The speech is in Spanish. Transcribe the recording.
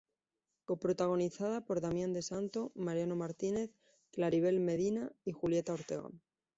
Co-protagonizada por Damian De Santo, Mariano Martinez, Claribel Medina y Julieta Ortega.